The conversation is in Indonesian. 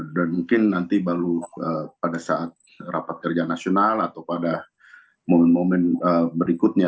mungkin nanti baru pada saat rapat kerja nasional atau pada momen momen berikutnya